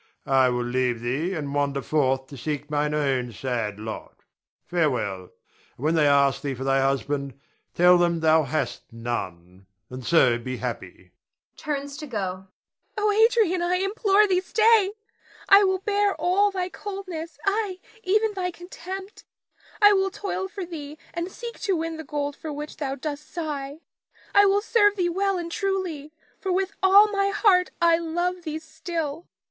I will leave thee and wander forth to seek mine own sad lot. Farewell, and when they ask thee for thy husband, tell them thou hast none, and so be happy [turns to go]. Nina. Oh, Adrian, I implore thee stay. I will bear all thy coldness, ay even thy contempt. I will toil for thee and seek to win the gold for which thou dost sigh, I will serve thee well and truly, for with all my heart I love thee still.